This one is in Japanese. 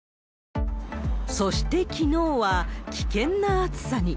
そしてきのうは、危険な暑さに。